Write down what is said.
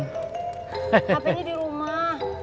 hape nya di rumah